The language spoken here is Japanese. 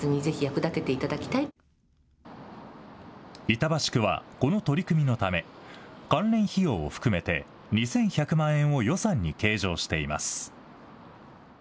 板橋区はこの取り組みのため、関連費用を含めて２１００万円を予算に計上しています。